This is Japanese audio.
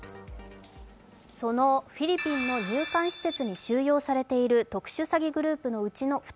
そのフィリピンの入管施設に収容されている特殊詐欺グループのうちの２人。